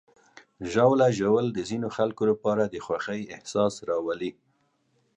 ژاوله ژوول د ځینو خلکو لپاره د خوښۍ احساس راولي.